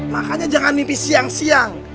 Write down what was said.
makanya jangan mimpi siang siang